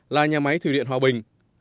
là nhà máy thủy điện hòa bình